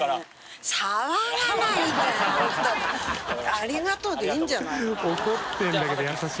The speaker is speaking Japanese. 「ありがとう」でいいんじゃないの。